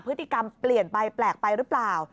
พฤติกรรมเปลี่ยนไปแปลกไปหรือเปล่า